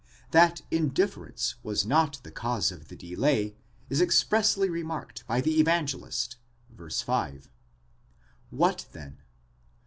That indifference was not the cause of the delay, is expressly remarked by the Evangelist (v. 5). What then?